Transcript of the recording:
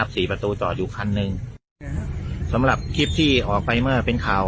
สี่ประตูจอดอยู่คันหนึ่งสำหรับคลิปที่ออกไปเมื่อเป็นข่าว